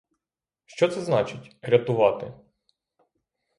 Що це значить: рятувати?